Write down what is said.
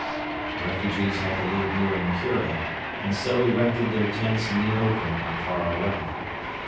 The refugees had to leave Muren Kure and so erected their tents in the open not far away.